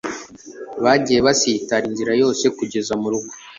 bagiye basitara inzira yose kugeza murugo